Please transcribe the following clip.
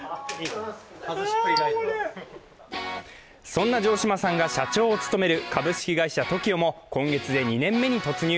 そんな城島さんが社長を務める株式会社ＴＯＫＩＯも今月で２年目に突入。